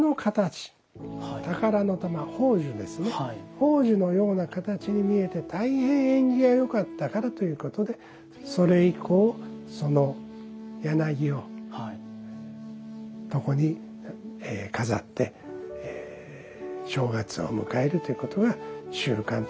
宝珠のような形に見えて大変縁起が良かったからということでそれ以降その柳を床に飾って正月を迎えるということが習慣となりました。